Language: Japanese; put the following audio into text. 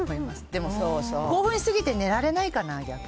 でも興奮し過ぎて寝られないかな、逆に。